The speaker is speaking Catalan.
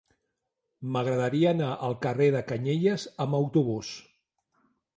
M'agradaria anar al carrer de Canyelles amb autobús.